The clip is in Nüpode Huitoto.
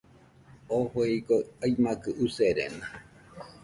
Oo jue igoɨ aimakɨ userena.